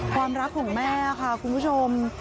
ความรักของแม่ค่ะคุณผู้ชม